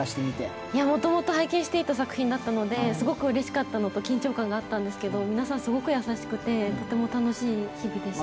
もともと拝見していた番組だったので、とても楽しみだったのと、緊張感があったんですけれど、皆さんすごく優しくて、とても楽しい日々でした。